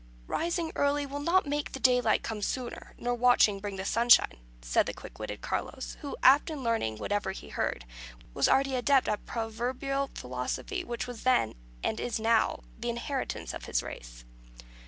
"'Rising early will not make the daylight come sooner,' nor watching bring the sunshine," said the quick witted Carlos, who, apt in learning whatever he heard, was already an adept in the proverbial philosophy which was then, and is now, the inheritance of his race.